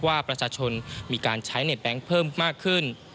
ว่าประชาชนมีการใช้เน็ตแบงค์เพิ่มมากขึ้น